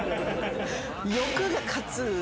欲が勝つ。